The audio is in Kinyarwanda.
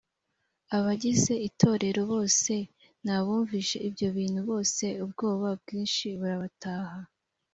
abagize itorero bose n abumvise ibyo bintu bose ubwoba bwinshi burabataha